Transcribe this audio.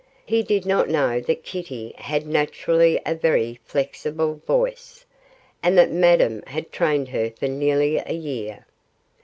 He did not know that Kitty had naturally a very flexible voice, and that Madame had trained her for nearly a year.